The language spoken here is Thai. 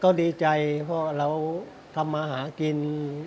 ก็ดีใจเพราะเราทำมาหากิน